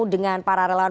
dengan para relawan